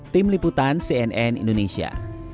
tim liputan cnn indonesia